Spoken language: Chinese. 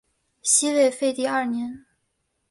西魏废帝二年。